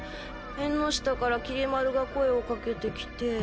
えんの下からきり丸が声をかけてきて。